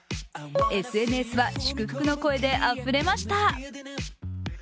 ＳＮＳは祝福の声であふれました。